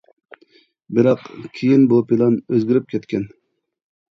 بىراق، كېيىن بۇ پىلان ئۆزگىرىپ كەتكەن.